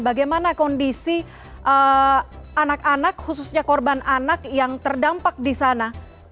bagaimana kondisi anak anak khususnya korban anak yang terdampak di sana